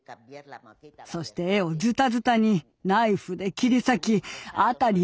そして絵をズタズタにナイフで切り裂き辺り